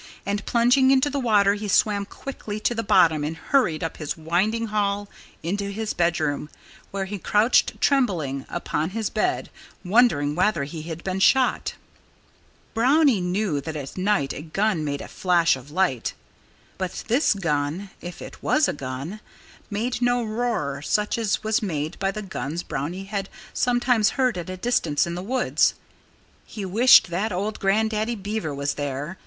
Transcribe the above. And plunging into the water he swam quickly to the bottom and hurried up his winding hall into his bedroom, where he crouched trembling upon his bed, wondering whether he had been shot. Brownie knew that at night a gun made a flash of light. But this gun (if it was a gun) made no roar such as was made by the guns Brownie had sometimes heard at a distance in the woods. He wished that old Grandaddy Beaver was there.